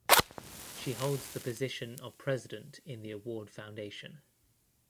She holds the position of president in the award foundation.